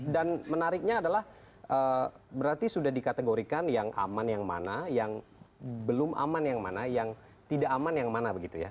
dan menariknya adalah eee berarti sudah dikategorikan yang aman yang mana yang belum aman yang mana yang tidak aman yang mana begitu ya